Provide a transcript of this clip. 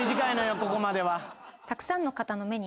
ここまでは。